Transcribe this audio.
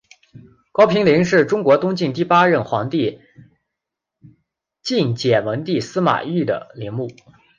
高平陵是中国东晋第八任皇帝晋简文帝司马昱的陵墓。